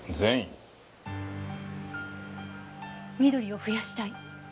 緑を増やしたい。